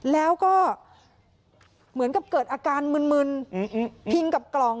แล้วก็เหมือนกับเกิดอาการมึนพิงกับกล่อง